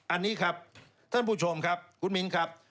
อันนี้ครับท่านผู้ชมครับคุณมิ้นครับ